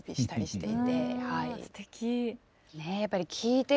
すてき！